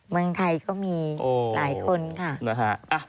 เมืองไทยก็มีหลายคนค่ะนะฮะ